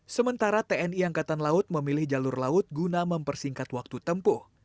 sementara tni angkatan laut memilih jalur laut guna mempersingkat waktu tempuh